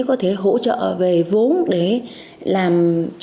có thể hỗ trợ về vốn để làm